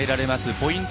ポイント